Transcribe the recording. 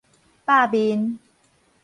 百面